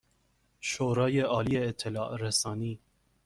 شورای عالی اطلاع رسانی